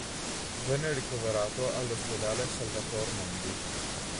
Venne ricoverato all'ospedale Salvator Mundi.